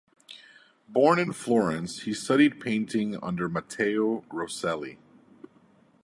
Born in Florence, he studied painting under Matteo Rosselli.